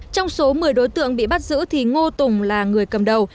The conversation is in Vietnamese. trong số một mươi đối tượng bị bắt giữ thì ngô tùng là người cầm đầu